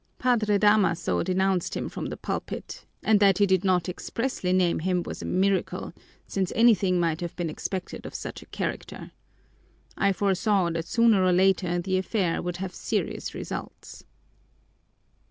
Padre Damaso denounced him from the pulpit, and that he did not expressly name him was a miracle, since anything might have been expected of such a character. I foresaw that sooner or later the affair would have serious results."